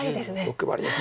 欲張りです。